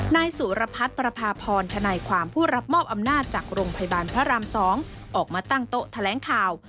นายสุรพัฒน์ประพาพรทนายความผู้รับมอบอำนาจจากโรงพยาบาลพระราม๒ออกมาตั้งโต๊ะแถลงข่าว